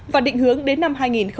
và định hướng đến năm hai nghìn ba mươi